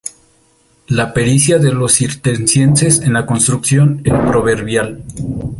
La pericia de los cistercienses en la construcción era proverbial.